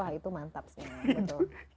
wah itu mantap sih